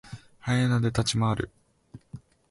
ハイエナで立ち回る。